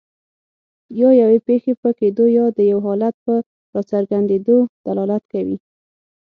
یا یوې پېښې په کیدو یا د یو حالت په راڅرګندیدو دلالت کوي.